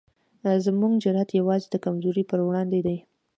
زموږ جرئت یوازې د کمزورو پر وړاندې دی.